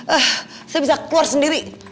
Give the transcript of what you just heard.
eh saya bisa keluar sendiri